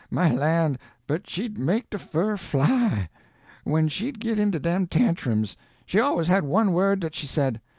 My LAN! but she'd make de fur fly! When she'd git into dem tantrums, she always had one word dat she said.